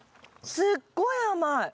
すっごい甘い。